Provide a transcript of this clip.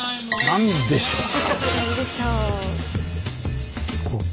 何でしょう。